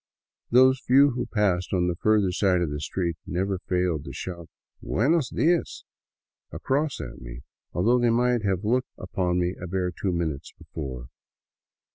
Those few who passed on the further side of the street never failed to shout " Buenos dias " across at me, though they might have looked in upon me a bare two minutes before.